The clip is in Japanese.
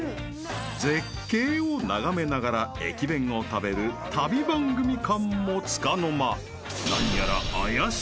［絶景を眺めながら駅弁を食べる旅番組感もつかの間］